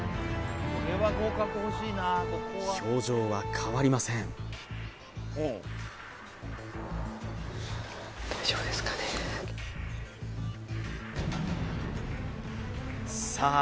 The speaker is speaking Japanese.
表情は変わりませんさあ